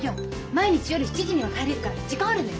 毎日夜７時には帰れるから時間あるんだよ。